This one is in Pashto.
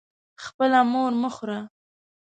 خپله مور مه خوره.